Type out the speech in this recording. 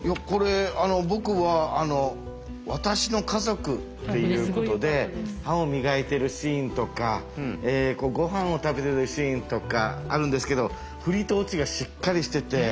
僕は「わたしのかぞく」っていうことで歯を磨いてるシーンとかごはんを食べてるシーンとかあるんですけどフリとオチがしっかりしてて。